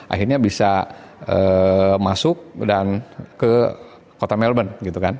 akhirnya bisa masuk dan ke kota melbourne gitu kan